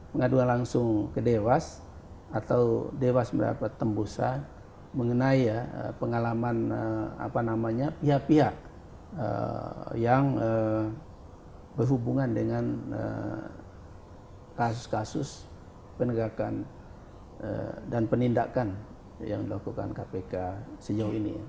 pengaduan langsung ke dewas atau dewas melapak tembusa mengenai ya pengalaman apa namanya pihak pihak yang berhubungan dengan kasus kasus penegakan dan penindakan yang dilakukan kpk sejauh ini